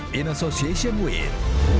di asosiasi muir